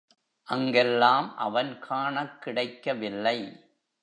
அங்கெல்லாம் அவன் காணக் கிடைக்கவில்லை.